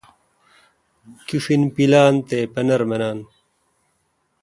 کݭین پلان تےپنر منان